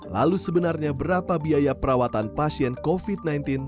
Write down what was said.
lalu sebenarnya berapa biaya perawatan pasien covid sembilan belas